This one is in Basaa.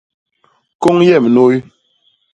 Kôñ yem nuy!